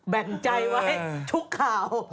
แบ่งใจไว้ทุกข่าว